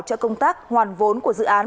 cho công tác hoàn vọng